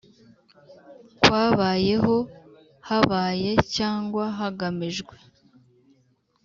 kwabayeho habaye cyangwa hagamijwe